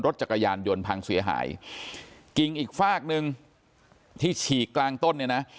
จักรยานยนต์พังเสียหายกิ่งอีกฝากหนึ่งที่ฉีกกลางต้นเนี่ยนะ